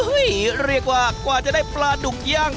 เรียกว่ากว่าจะได้ปลาดุกย่าง